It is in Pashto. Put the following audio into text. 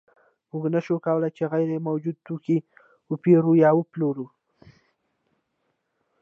موږ نشو کولی چې غیر موجود توکی وپېرو یا وپلورو